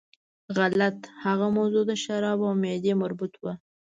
غلط، هغه موضوع د شرابو او معدې مربوط وه.